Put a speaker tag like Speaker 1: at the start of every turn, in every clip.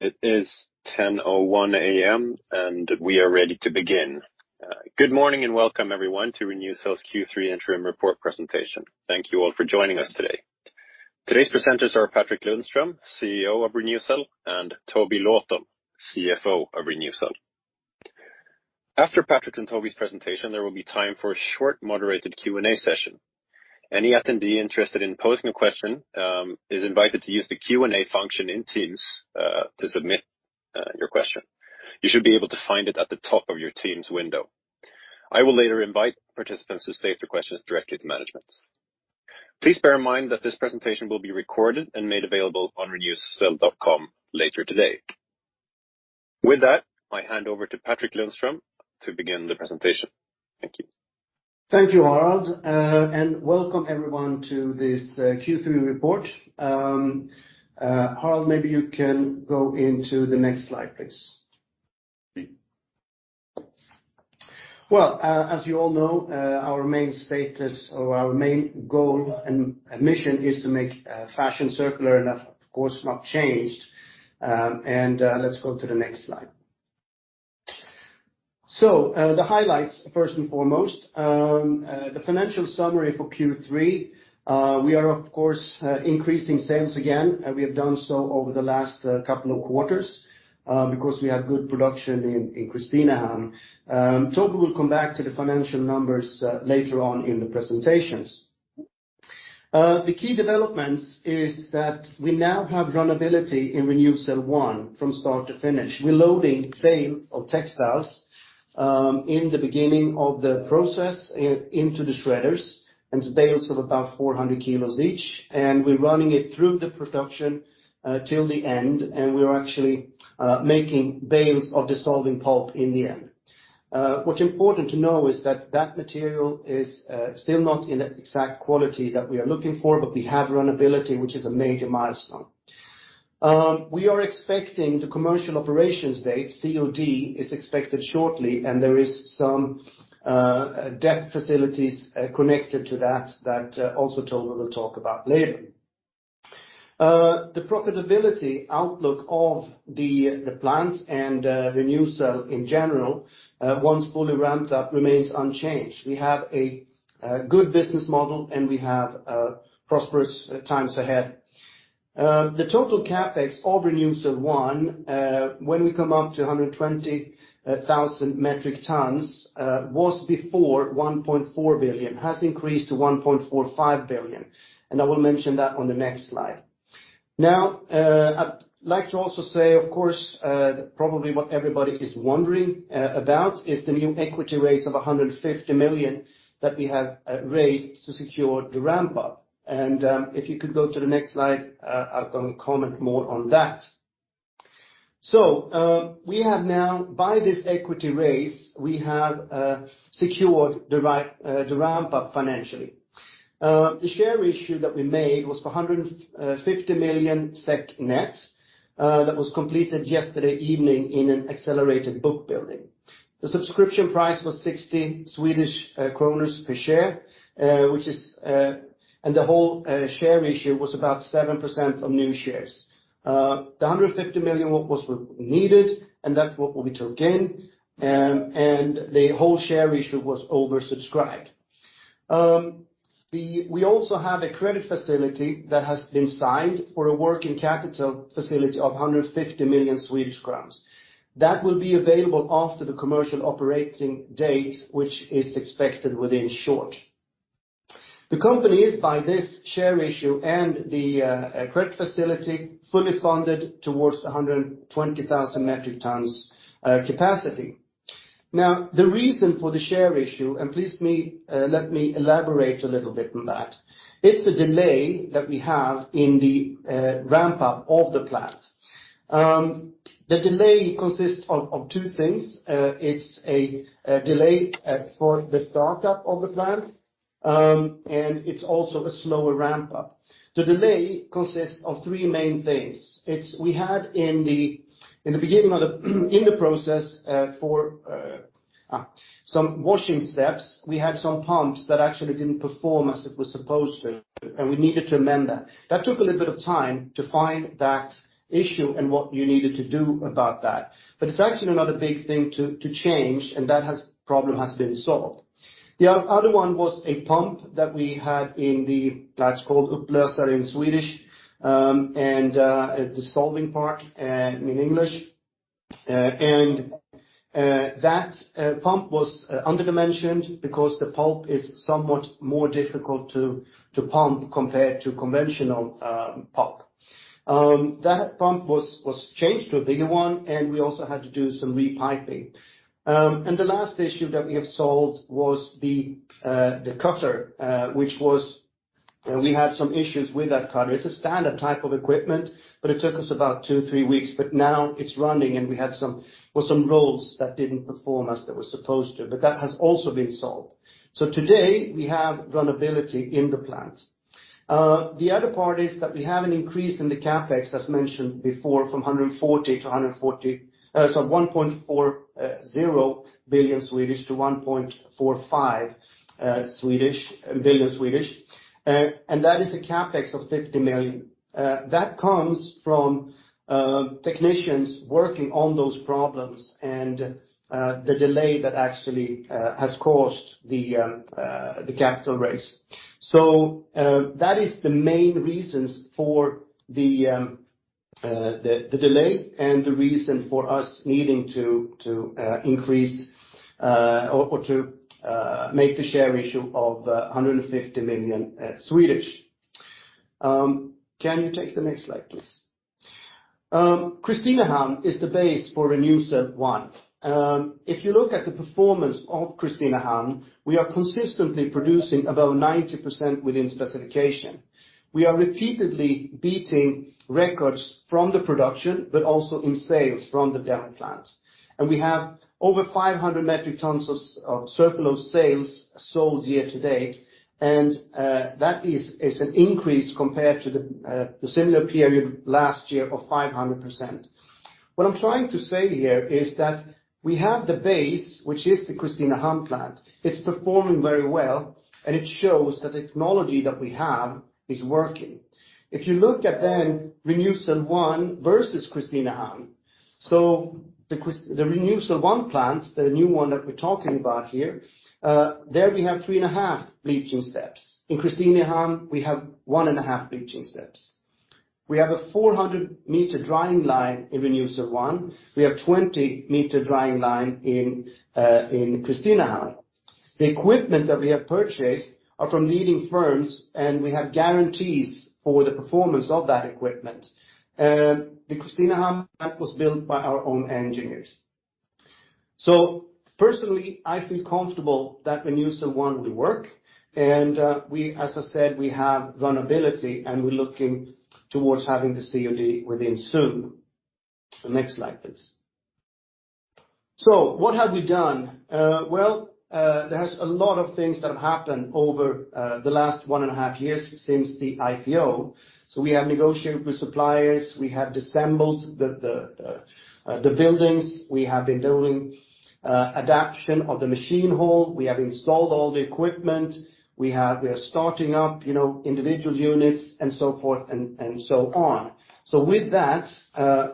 Speaker 1: It is 10:01 A.M. We are ready to begin. Good morning. Welcome everyone to Re:NewCell's Q3 interim report presentation. Thank you all for joining us today. Today's presenters are Patrik Lundström, CEO of Re:NewCell, and Toby Lawton, CFO of Re:NewCell. After Patrik and Toby's presentation, there will be time for a short moderated Q&A session. Any attendee interested in posing a question is invited to use the Q&A function in Teams to submit your question. You should be able to find it at the top of your Teams window. I will later invite participants to state their questions directly to management. Please bear in mind that this presentation will be recorded and made available on renewcell.com later today. With that, I hand over to Patrik Lundström to begin the presentation. Thank you.
Speaker 2: Thank you, Harald. Welcome everyone to this Q3 report. Harald, maybe you can go into the next slide, please.
Speaker 1: Sure.
Speaker 2: Well, as you all know, our main status or our main goal, and mission is to make fashion circular. That, of course, not changed. Let's go to the next slide. The highlights, first and foremost. The financial summary for Q3. We are, of course, increasing sales again, and we have done so over the last couple of quarters because we have good production in Kristinehamn. Toby will come back to the financial numbers later on in the presentations. The key developments is that we now have runnability in Renewcell 1 from start to finish. We're loading bales of textiles in the beginning of the process into the shredders, and it's bales of about 400 kilos each, and we're running it through the production till the end, and we're actually making bales of dissolving pulp in the end. What's important to know is that that material is still not in the exact quality that we are looking for, but we have runnability, which is a major milestone. We are expecting the commercial operations date, COD, is expected shortly, and there is some debt facilities connected to that also Toby will talk about later. The profitability outlook of the plant and Re:NewCell in general, once fully ramped up, remains unchanged. We have a good business model and we have prosperous times ahead. The total CapEx of Renewcell 1, when we come up to 120,000 metric tons, was before 1.4 billion, has increased to 1.45 billion, and I will mention that on the next slide. I'd like to also say, of course, probably what everybody is wondering about is the new equity raise of 150 million that we have raised to secure the ramp-up. If you could go to the next slide, I'm going to comment more on that. We have now, by this equity raise, we have secured the ramp-up financially. The share issue that we made was for 150 million SEK net. That was completed yesterday evening in an accelerated book building. The subscription price was 60 Swedish kronor per share, and the whole share issue was about 7% of new shares. The 150 million was what we needed, and that what we took in, and the whole share issue was oversubscribed. We also have a credit facility that has been signed for a working capital facility of 150 million Swedish crowns. That will be available after the commercial operating date, which is expected within short. The company is by this share issue and the credit facility fully funded towards the 120,000 metric tons capacity. The reason for the share issue, please let me elaborate a little bit on that, it's a delay that we have in the ramp-up of the plant. The delay consists of two things. It's a delay for the startup of the plant, and it's also a slower ramp-up. The delay consists of three main things. In the process for some washing steps, we had some pumps that actually didn't perform as it was supposed to, and we needed to amend that. That took a little bit of time to find that issue and what you needed to do about that. It's actually not a big thing to change, and that problem has been solved. The other one was a pump that we had in the, that's called in Swedish, and dissolving part, in English. That pump was under-dimensioned because the pulp is somewhat more difficult to pump compared to conventional pulp. That pump was changed to a bigger one, and we also had to do some re-piping. The last issue that we have solved was the cutter. We had some issues with that cutter. It's a standard type of equipment, but it took us about two, three weeks, but now it's running, and we had some rolls that didn't perform as they were supposed to. That has also been solved. Today, we have runnability in the plant. The other part is that we have an increase in the CapEx, as mentioned before, from 1.40 billion to 1.45 billion. That is a CapEx of 50 million. That comes from technicians working on those problems and the delay that actually has caused the capital raise. That is the main reasons for the delay and the reason for us needing to increase or to make the share issue of 150 million. Can you take the next slide, please? Kristinehamn is the base for Renewcell 1. If you look at the performance of Kristinehamn, we are consistently producing above 90% within specification. We are repeatedly beating records from the production, but also in sales from the demo plant. We have over 500 metric tons of Circulose sales sold year to date, and that is an increase compared to the similar period last year of 500%. What I'm trying to say here is that we have the base, which is the Kristinehamn plant. It's performing very well, and it shows that technology that we have is working. If you look at Renewcell 1 versus Kristinehamn. The Renewcell 1 plant, the new one that we're talking about here, there we have three and a half bleaching steps. In Kristinehamn, we have one and a half bleaching steps. We have a 400-meter drying line in Renewcell 1. We have 20-meter drying line in Kristinehamn. The equipment that we have purchased are from leading firms, and we have guarantees for the performance of that equipment. The Kristinehamn plant was built by our own engineers. Personally, I feel comfortable that Renewcell 1 will work, and as I said, we have run ability, and we're looking towards having the COD within soon. Next slide, please. What have we done? There's a lot of things that have happened over the last one and a half years since the IPO. We have negotiated with suppliers, we have disassembled the buildings, we have been doing adaptation of the machine hall, we have installed all the equipment, we are starting up individual units and so forth and so on. With that,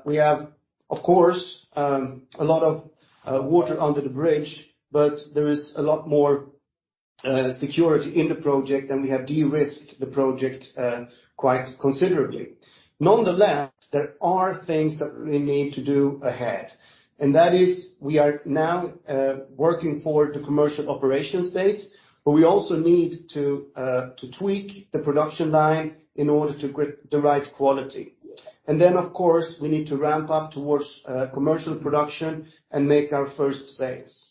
Speaker 2: we have, of course, a lot of water under the bridge, but there is a lot more security in the project, and we have de-risked the project quite considerably. Nonetheless, there are things that we need to do ahead. That is we are now working toward the commercial operation state, but we also need to tweak the production line in order to grip the right quality. Of course, we need to ramp up towards commercial production and make our first sales.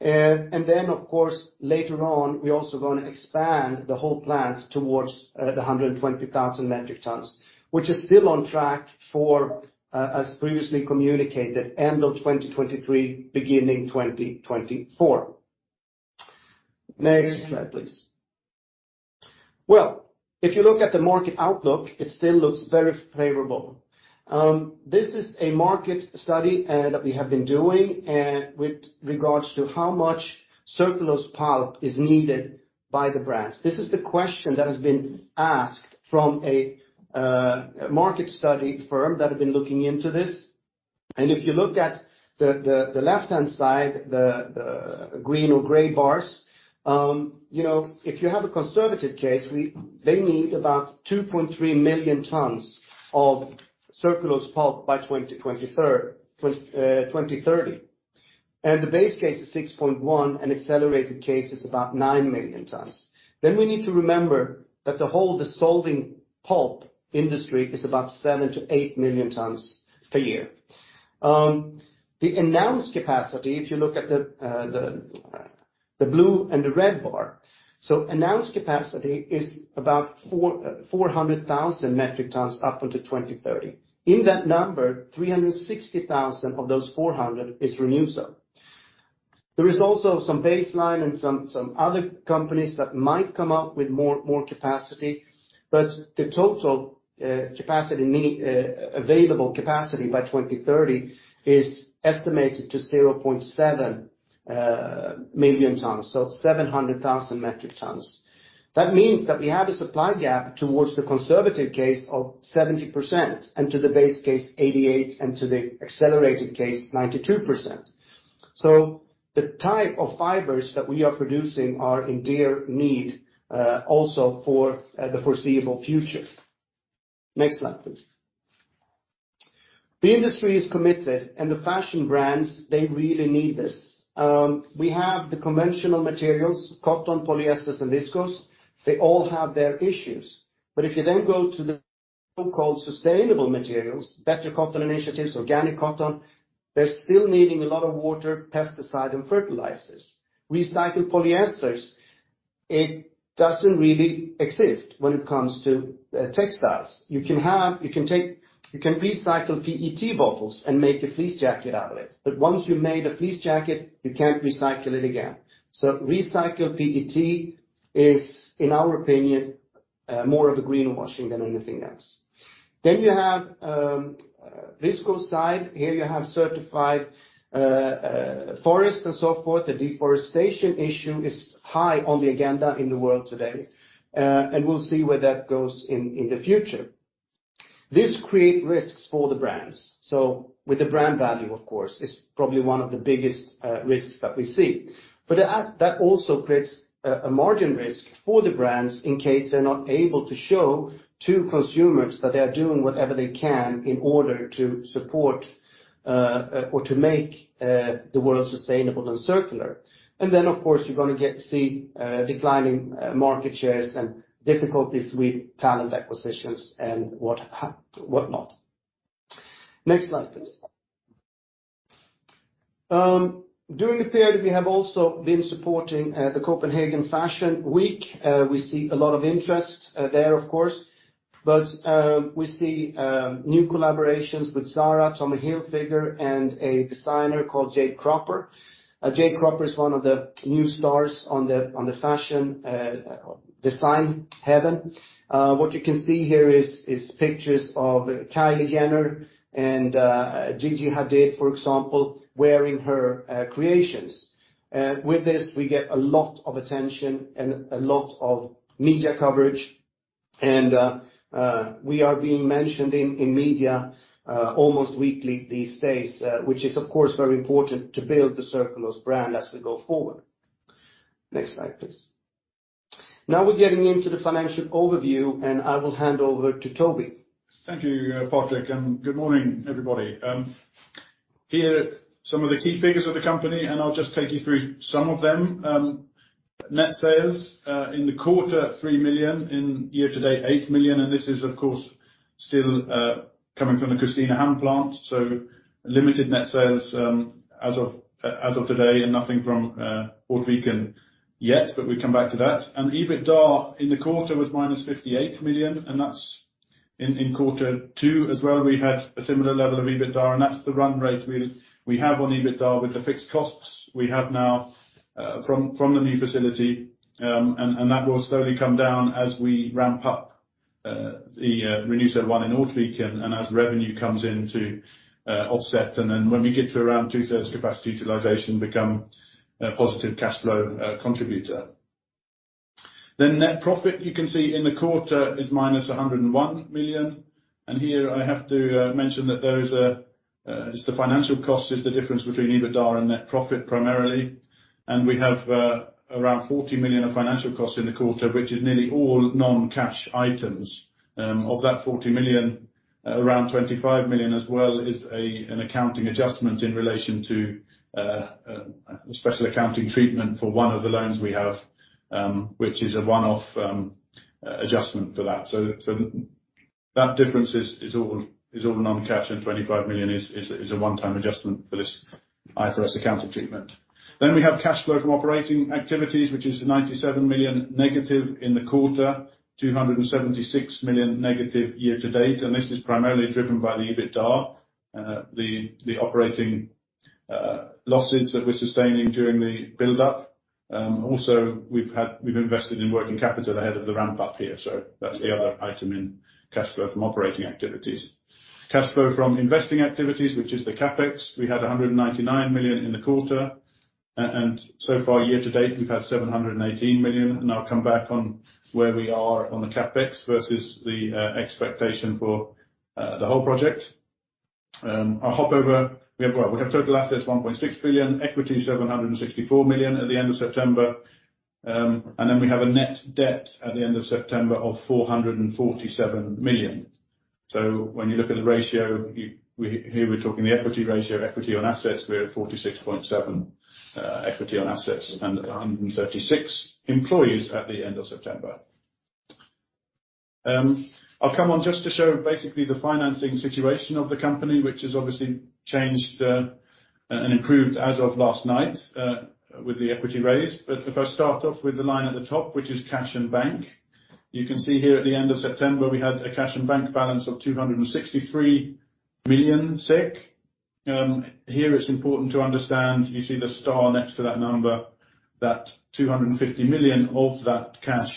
Speaker 2: Of course, later on, we're also going to expand the whole plant towards the 120,000 metric tons, which is still on track for, as previously communicated, end of 2023, beginning 2024. Next slide, please. If you look at the market outlook, it still looks very favorable. This is a market study that we have been doing with regards to how much Circulose pulp is needed by the brands. This is the question that has been asked from a market study firm that have been looking into this. If you look at the left-hand side, the green or gray bars, if you have a conservative case, they need about 2.3 million tons of Circulose pulp by 2030. The base case is 6.1 million tons and accelerated case is about nine million tons. We need to remember that the whole dissolving pulp industry is about seven to eight million tons per year. The announced capacity, if you look at the blue and the red bar. Announced capacity is about 400,000 metric tons up until 2030. In that number, 360,000 of those 400 is Re:NewCell. There is also some baseline and some other companies that might come up with more capacity, but the total available capacity by 2030 is estimated to 0.7 million tons, so 700,000 metric tons. That means that we have a supply gap towards the conservative case of 70%, and to the base case, 88%, and to the accelerated case, 92%. The type of fibers that we are producing are in dear need, also for the foreseeable future. Next slide, please. The industry is committed, and the fashion brands, they really need this. We have the conventional materials, cotton, polyesters, and viscose. They all have their issues. If you then go to the so-called sustainable materials, Better Cotton Initiative, organic cotton, they're still needing a lot of water, pesticide, and fertilizers. Recycled polyesters, it doesn't really exist when it comes to textiles. You can recycle PET bottles and make a fleece jacket out of it. Once you made a fleece jacket, you can't recycle it again. Recycled PET is, in our opinion, more of a greenwashing than anything else. You have viscose side. Here you have certified forest and so forth. The deforestation issue is high on the agenda in the world today, and we'll see where that goes in the future. This create risks for the brands. With the brand value, of course, is probably one of the biggest risks that we see. That also creates a margin risk for the brands in case they're not able to show to consumers that they are doing whatever they can in order to support, or to make the world sustainable and circular. Of course, you're going to see declining market shares and difficulties with talent acquisitions and whatnot. Next slide, please. During the period, we have also been supporting the Copenhagen Fashion Week. We see a lot of interest there, of course, but we see new collaborations with Zara, Tommy Hilfiger and a designer called Jade Cropper. Jade Cropper is one of the new stars on the fashion design heaven. What you can see here is pictures of Kylie Jenner and Gigi Hadid, for example, wearing her creations. With this, we get a lot of attention and a lot of media coverage. We are being mentioned in media almost weekly these days, which is, of course, very important to build the Circulose brand as we go forward. Next slide, please. Now we're getting into the financial overview. I will hand over to Toby.
Speaker 3: Thank you, Patrik. Good morning, everybody. Here are some of the key figures of the company. I'll just take you through some of them. Net sales in the quarter, 3 million. In year to date, 8 million. This is, of course, still coming from the Kristinehamn plant, so limited net sales as of today. Nothing from Ortvik yet, but we'll come back to that. EBITDA in the quarter was minus 58 million. That's in Quarter 2 as well. We had a similar level of EBITDA. That's the run rate we have on EBITDA with the fixed costs we have now from the new facility. That will slowly come down as we ramp up the Renewcell 1 in Ortvik and as revenue comes in to offset. When we get to around two-thirds capacity utilization, become a positive cash flow contributor. Net profit you can see in the quarter is minus 101 million. Here I have to mention that just the financial cost is the difference between EBITDA and net profit primarily. We have around 40 million of financial costs in the quarter, which is nearly all non-cash items. Of that 40 million, around 25 million as well is an accounting adjustment in relation to a special accounting treatment for one of the loans we have, which is a one-off adjustment for that. That difference is all non-cash, and 25 million is a one-time adjustment for this IFRS accounting treatment. We have cash flow from operating activities, which is 97 million negative in the quarter, 276 million negative year to date, and this is primarily driven by the EBITDA, the operating losses that we're sustaining during the build-up. Also, we've invested in working capital ahead of the ramp-up here. That's the other item in cash flow from operating activities. Cash flow from investing activities, which is the CapEx. We had 199 million in the quarter. So far, year to date, we've had 718 million, and I'll come back on where we are on the CapEx versus the expectation for the whole project. I'll hop over. We have total assets, 1.6 billion. Equity, 764 million at the end of September. We have a net debt at the end of September of 447 million. When you look at the ratio, here we're talking the equity ratio. Equity on assets, we're at 46.7%. Equity on assets and at 136 employees at the end of September. I'll come on just to show basically the financing situation of the company, which has obviously changed and improved as of last night with the equity raise. If I start off with the line at the top, which is cash and bank, you can see here at the end of September, we had a cash and bank balance of 263 million. Here, it's important to understand, you see the star next to that number, that 250 million of that cash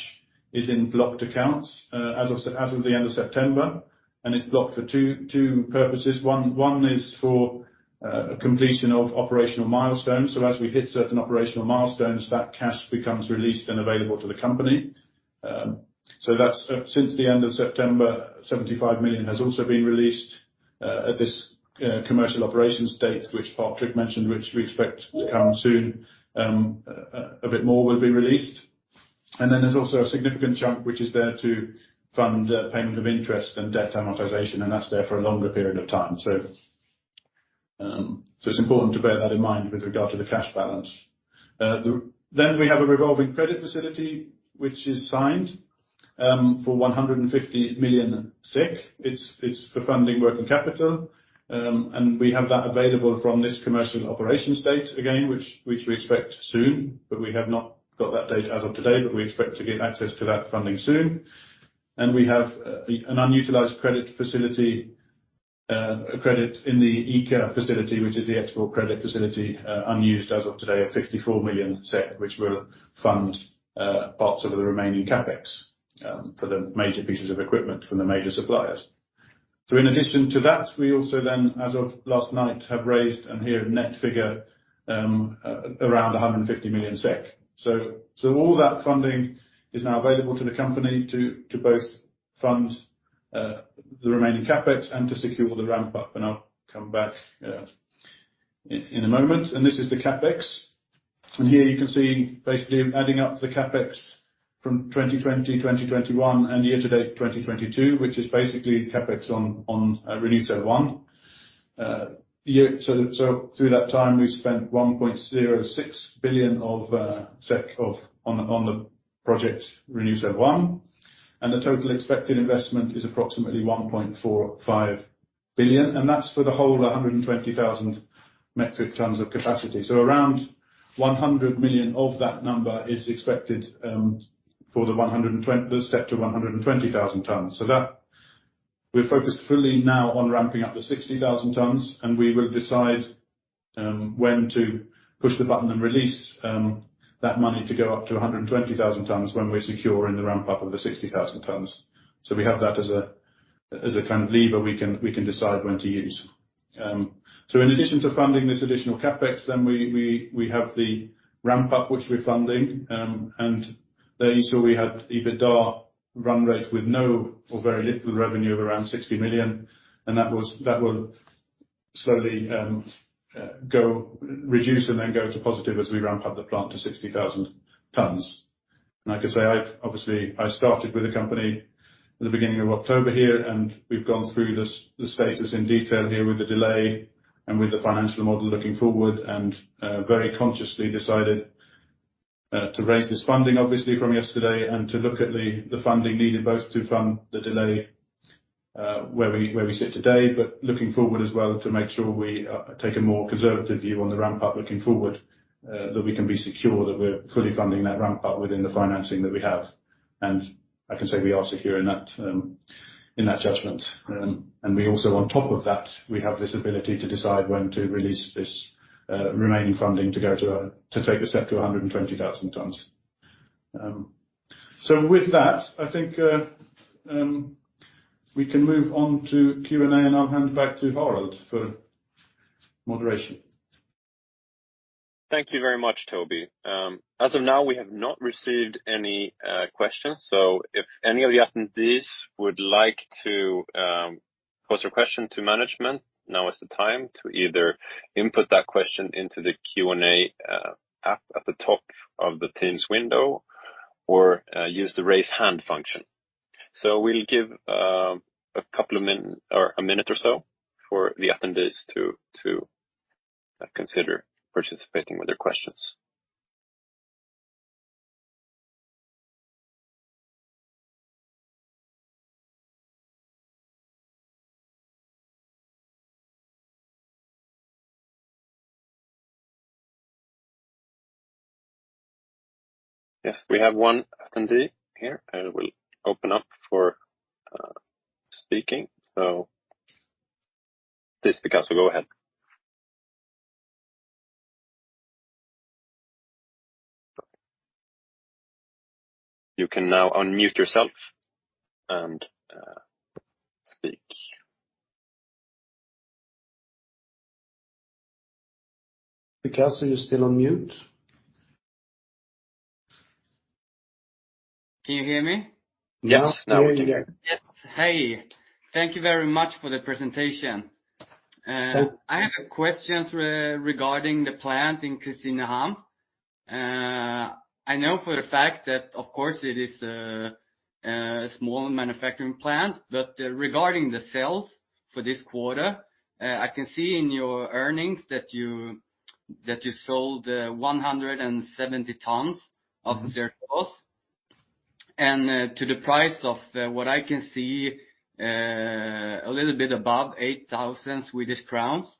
Speaker 3: is in blocked accounts as of the end of September. It's blocked for two purposes. One is for completion of operational milestones. As we hit certain operational milestones, that cash becomes released and available to the company. That's since the end of September, 75 million has also been released at this commercial operations date, which Patrik mentioned, which we expect to come soon. A bit more will be released. There's also a significant chunk which is there to fund payment of interest and debt amortization, and that's there for a longer period of time. It's important to bear that in mind with regard to the cash balance. We have a revolving credit facility which is signed for 150 million SEK. It's for funding working capital, and we have that available from this commercial operations date again, which we expect soon, but we have not got that date as of today, but we expect to get access to that funding soon. We have an unutilized credit facility in the ECA facility, which is the export credit facility, unused as of today of 54 million SEK, which will fund parts of the remaining CapEx for the major pieces of equipment from the major suppliers. In addition to that, we also then, as of last night, have raised and hear a net figure, around 150 million SEK. All that funding is now available to the company to both fund the remaining CapEx and to secure the ramp-up. I'll come back in a moment. This is the CapEx. Here you can see basically adding up the CapEx from 2020, 2021 and year to date 2022, which is basically CapEx on Renewcell 1. Through that time, we've spent 1.06 billion on the project Renewcell 1, and the total expected investment is approximately 1.45 billion, and that's for the whole 120,000 metric tons of capacity. Around 100 million of that number is expected for the step to 120,000 tons. We're focused fully now on ramping up the 60,000 tons, and we will decide when to push the button and release that money to go up to 120,000 tons when we're secure in the ramp-up of the 60,000 tons. We have that as a kind of lever we can decide when to use. In addition to funding this additional CapEx, then we have the ramp-up, which we're funding. There you saw we had EBITDA run rate with no or very little revenue of around 60 million, and that will slowly reduce and then go to positive as we ramp up the plant to 60,000 tons. I can say, obviously, I started with the company at the beginning of October here, and we've gone through the status in detail here with the delay and with the financial model looking forward and very consciously decided to raise this funding, obviously from yesterday, and to look at the funding needed both to fund the delay where we sit today, but looking forward as well to make sure we take a more conservative view on the ramp-up looking forward, that we can be secure, that we're fully funding that ramp-up within the financing that we have. I can say we are secure in that judgment. We also on top of that, we have this ability to decide when to release this remaining funding to take the step to 120,000 tons. With that, I think we can move on to Q&A, and I'll hand back to Harald for moderation.
Speaker 1: Thank you very much, Toby. As of now, we have not received any questions. If any of the attendees would like to pose a question to management, now is the time to either input that question into the Q&A app at the top of the Teams window or use the raise hand function. We'll give a minute or so for the attendees to consider participating with their questions. Yes, we have one attendee here, and we'll open up for speaking. This Picasso, go ahead. You can now unmute yourself and speak.
Speaker 3: Picasso, you're still on mute.
Speaker 4: Can you hear me?
Speaker 3: Yes.
Speaker 1: Yeah.
Speaker 4: Yes. Hey, thank you very much for the presentation. I have a question regarding the plant in Kristinehamn. I know for a fact that, of course, it is a small manufacturing plant, but regarding the sales for this quarter, I can see in your earnings that you sold 170 tons of Circulose and to the price of what I can see, a little bit above 8,000 Swedish crowns.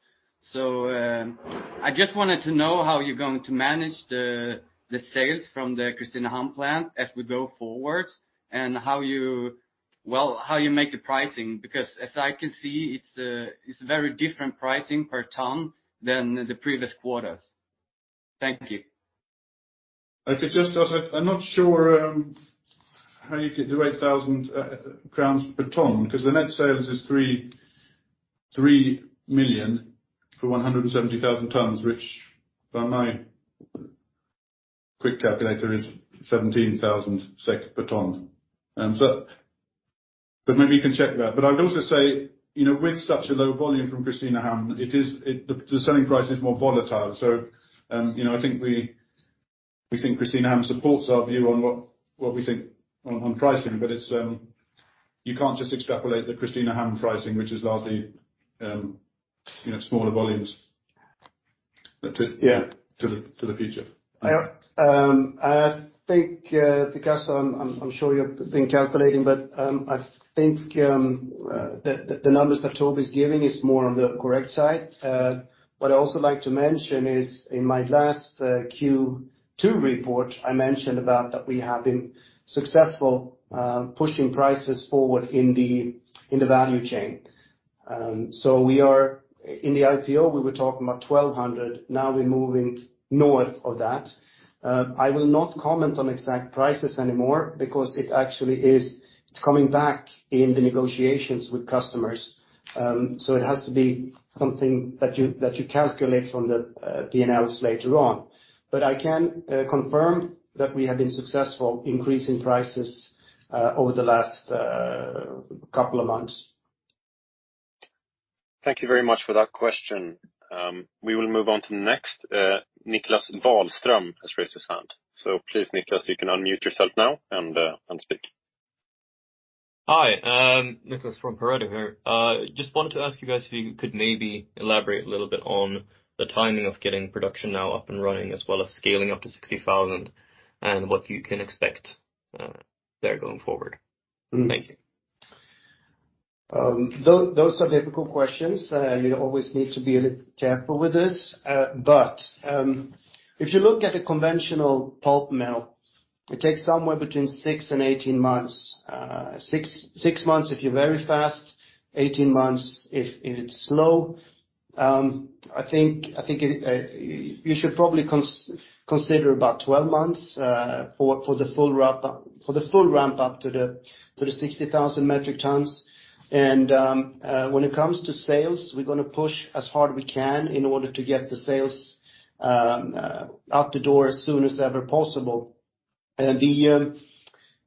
Speaker 4: I just wanted to know how you're going to manage the sales from the Kristinehamn plant as we go forward and how you make the pricing. As I can see, it's very different pricing per ton than the previous quarters. Thank you.
Speaker 3: I'm not sure how you get to 8,000 crowns per ton because the net sales is 3 million for 170 tons, which by my quick calculator is 17,000 SEK per ton. Maybe you can check that. I'd also say, with such a low volume from Kristinehamn, the selling price is more volatile. We think Kristinehamn supports our view on what we think on pricing, but you can't just extrapolate the Kristinehamn pricing, which is largely smaller volumes to the future.
Speaker 1: I think, Picasso, I'm sure you've been calculating, but I think the numbers that Toby's giving is more on the correct side. What I'd also like to mention is in my last Q2 report, I mentioned about that we have been successful pushing prices forward in the value chain.
Speaker 2: In the IPO, we were talking about 1,200. Now we're moving north of that. I will not comment on exact prices anymore because it actually is coming back in the negotiations with customers. It has to be something that you calculate from the P&Ls later on. I can confirm that we have been successful increasing prices over the last couple of months.
Speaker 1: Thank you very much for that question. We will move on to the next. Niklas Wahlström has raised his hand. Please, Niklas, you can unmute yourself now and speak.
Speaker 5: Hi, Niklas from Pareto here. Just wanted to ask you guys if you could maybe elaborate a little bit on the timing of getting production now up and running, as well as scaling up to 60,000, and what you can expect there going forward. Thank you.
Speaker 2: Those are difficult questions, and you always need to be a little careful with this. If you look at a conventional pulp mill, it takes somewhere between six and 18 months. Six months if you're very fast, 18 months if it's slow. I think you should probably consider about 12 months for the full ramp-up to the 60,000 metric tons. When it comes to sales, we're going to push as hard as we can in order to get the sales out the door as soon as ever possible. Where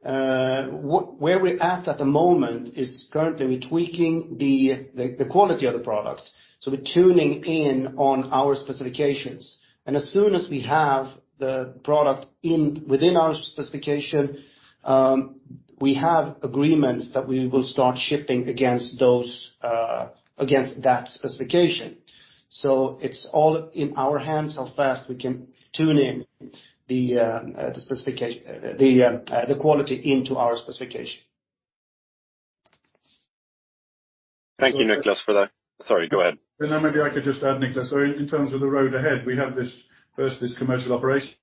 Speaker 2: we're at at the moment is currently we're tweaking the quality of the product. We're tuning in on our specifications. As soon as we have the product within our specification, we have agreements that we will start shipping against that specification. It's all in our hands how fast we can tune in the quality into our specification.
Speaker 1: Thank you, Niklas, for that. Sorry, go ahead.
Speaker 3: I could just add, Niklas. In terms of the road ahead, we have first this commercial operations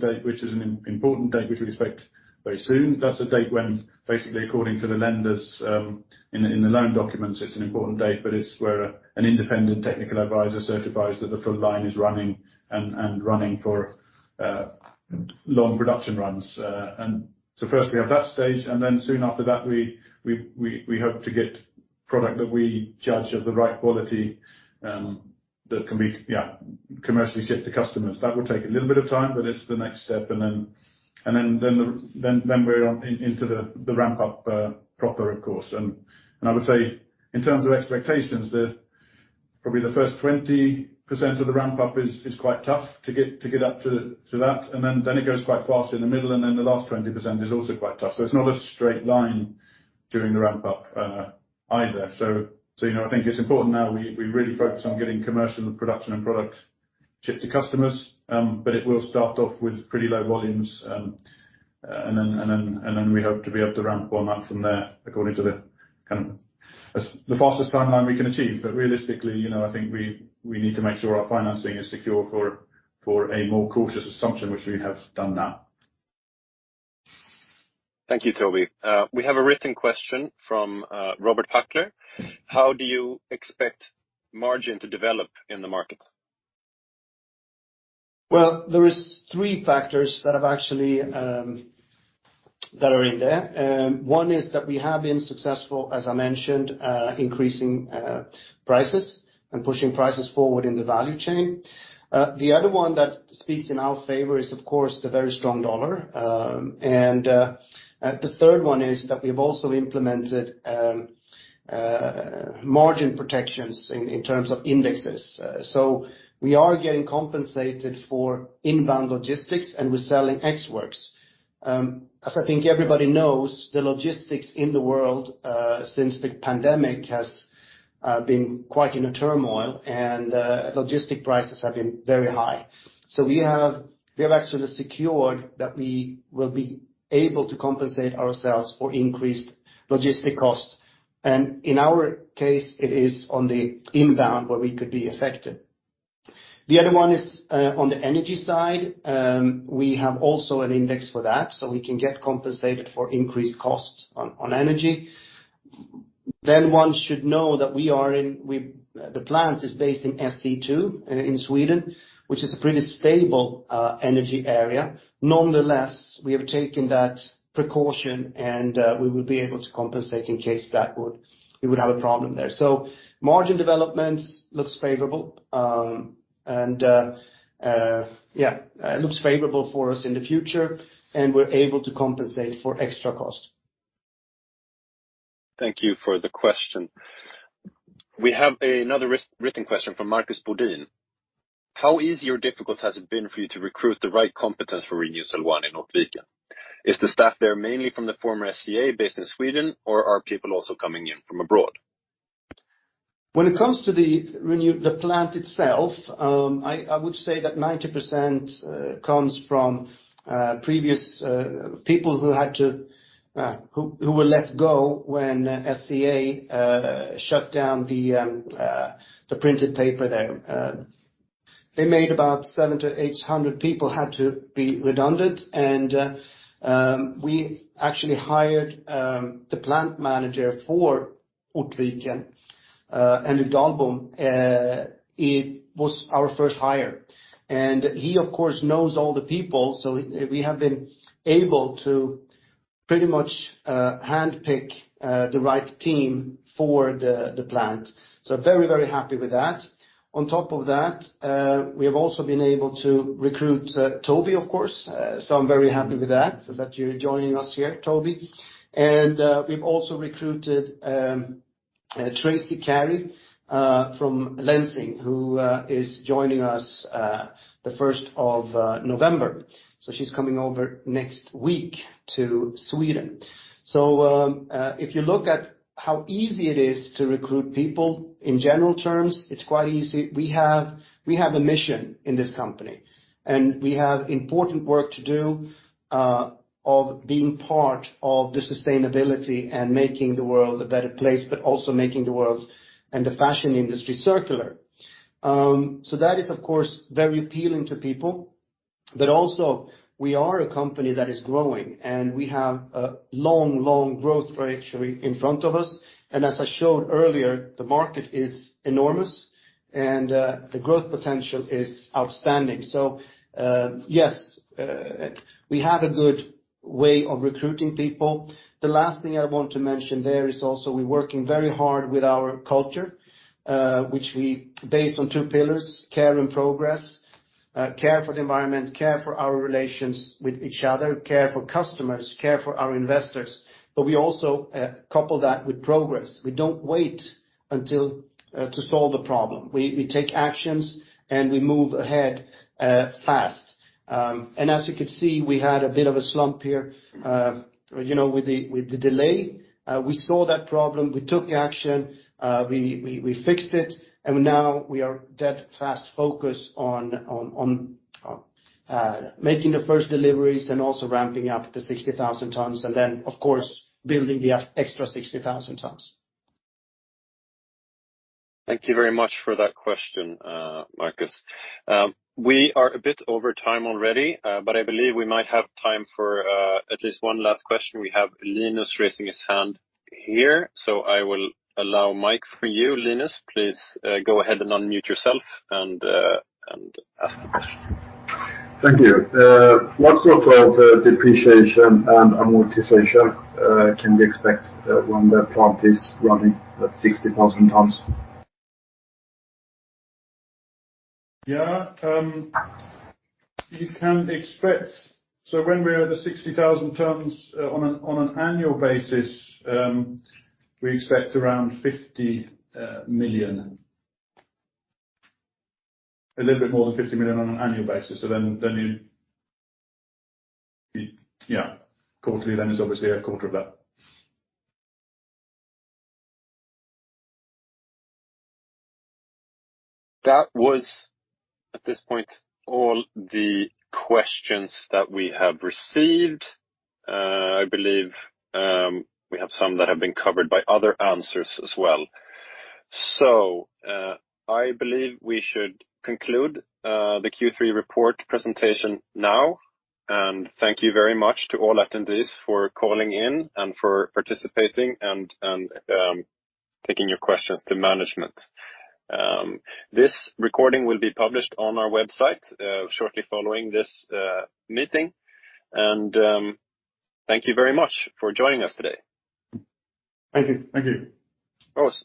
Speaker 3: date, which is an important date, which we expect very soon. That's a date when basically according to the lenders in the loan documents, it's an important date, but it's where an independent technical advisor certifies that the full line is running and running for long production runs. First we have that stage, then soon after that, we hope to get product that we judge of the right quality that can be commercially shipped to customers. That will take a little bit of time, but it's the next step. Then we're into the ramp-up proper, of course. I would say in terms of expectations, probably the first 20% of the ramp-up is quite tough to get up to that. It goes quite fast in the middle, then the last 20% is also quite tough. It's not a straight line during the ramp-up either. I think it's important now we really focus on getting commercial production and product shipped to customers, but it will start off with pretty low volumes. We hope to be able to ramp on up from there according to the fastest timeline we can achieve. Realistically, I think we need to make sure our financing is secure for a more cautious assumption, which we have done now.
Speaker 1: Thank you, Toby. We have a written question from Robert Häggler. How do you expect margin to develop in the market?
Speaker 2: There is three factors that are in there. One is that we have been successful, as I mentioned, increasing prices and pushing prices forward in the value chain. The other one that speaks in our favor is, of course, the very strong dollar. The third one is that we've also implemented margin protections in terms of indexes. We are getting compensated for inbound logistics, and we're selling ex-works. As I think everybody knows, the logistics in the world since the pandemic has been quite in a turmoil and logistic prices have been very high. We have actually secured that we will be able to compensate ourselves for increased logistic costs. In our case, it is on the inbound where we could be affected. The other one is on the energy side. We have also an index for that, so we can get compensated for increased costs on energy. One should know that the plant is based in SE2 in Sweden, which is a pretty stable energy area. Nonetheless, we have taken that precaution, and we will be able to compensate in case we would have a problem there. Margin development looks favorable for us in the future, and we're able to compensate for extra cost.
Speaker 1: Thank you for the question. We have another written question from Marcus Bodin. How easy or difficult has it been for you to recruit the right competence for Renewcell 1 in Ortvik? Is the staff there mainly from the former SCA based in Sweden, or are people also coming in from abroad?
Speaker 2: When it comes to the plant itself, I would say that 90% comes from previous people who were let go when SCA shut down the printed paper there. They made about 700 to 800 people had to be redundant. We actually hired the plant manager for Ortviken, Henrik Dahlbom. He was our first hire, and he of course knows all the people, so we have been able to pretty much handpick the right team for the plant. Very, very happy with that. On top of that, we have also been able to recruit Toby, of course. I'm very happy with that you're joining us here, Toby. We've also recruited Tricia Carey from Lenzing, who is joining us the 1st of November. She's coming over next week to Sweden. If you look at how easy it is to recruit people in general terms, it's quite easy. We have a mission in this company, and we have important work to do, of being part of the sustainability and making the world a better place, but also making the world and the fashion industry circular. That is, of course, very appealing to people. Also, we are a company that is growing, and we have a long, long growth trajectory in front of us. As I showed earlier, the market is enormous and the growth potential is outstanding. Yes, we have a good way of recruiting people. The last thing I want to mention there is also we're working very hard with our culture, which we based on two pillars, care and progress. Care for the environment, care for our relations with each other, care for customers, care for our investors. We also couple that with progress. We don't wait until to solve the problem. We take actions, we move ahead fast. As you could see, we had a bit of a slump here with the delay. We saw that problem, we took action, we fixed it, and now we are dead fast focused on making the first deliveries and also ramping up the 60,000 tons and then, of course, building the extra 60,000 tons.
Speaker 1: Thank you very much for that question, Marcus Bodin. We are a bit over time already, I believe we might have time for at least one last question. We have Linus raising his hand here, I will allow mic for you, Linus. Please go ahead and unmute yourself and ask the question.
Speaker 4: Thank you. What sort of depreciation and amortization can we expect when the plant is running at 60,000 tons?
Speaker 3: Yeah. You can expect, when we are at the 60,000 tons on an annual basis, we expect around 50 million. A little bit more than 50 million on an annual basis. Yeah. Quarterly, then, is obviously a quarter of that.
Speaker 1: That was, at this point, all the questions that we have received. I believe we have some that have been covered by other answers as well. I believe we should conclude the Q3 report presentation now, and thank you very much to all attendees for calling in and for participating and taking your questions to management. This recording will be published on our website shortly following this meeting. Thank you very much for joining us today.
Speaker 3: Thank you.
Speaker 2: Thank you.
Speaker 1: Of course.